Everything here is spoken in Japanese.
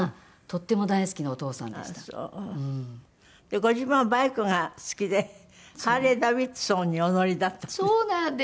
ご自分はバイクが好きでハーレーダビッドソンにお乗りだった？